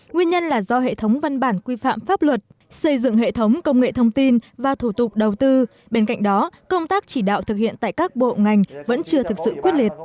nguyên nhân là do hệ thống văn bản quy phạm pháp luật xây dựng hệ thống công nghệ thông tin và thủ tục đầu tư bên cạnh đó công tác chỉ đạo thực hiện tại các bộ ngành vẫn chưa thực sự quyết liệt